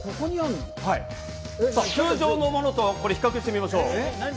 通常のものと比較してみましょう。